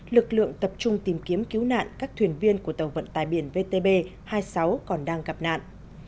lực lượng tập trung tìm kiếm cứu nạn các thuyền viên của tàu vận tài biển vtb hai mươi sáu còn đang gặp nạn